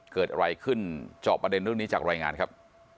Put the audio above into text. เกิดอะไรขึ้นจอบประเด็นเรื่องนี้จากรายงานครับ